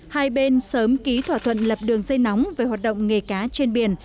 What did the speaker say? hai bên sớm ký thỏa thuận lập đường dây nóng về hoạt động nghề cá trên biển